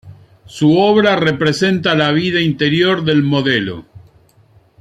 Su obra representa la vida interior del modelo.